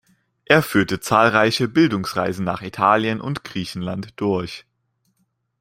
Er führte zahlreiche Bildungsreisen nach Italien und Griechenland durch.